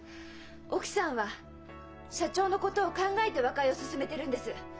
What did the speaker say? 奥さんは社長のことを考えて和解を勧めてるんです。